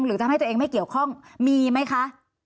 หรือทำให้ตัวเองไม่เกี่ยวข้องมีไหมคะ